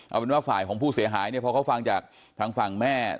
เอาเป็นว่าฝ่ายของผู้เสียหายเนี่ยพอเขาฟังจากทางฝั่งแม่